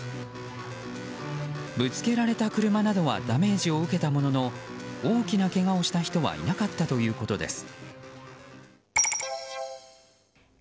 ぶつけられた車などはダメージを受けたものの大きなけがをした人はいなかったということです。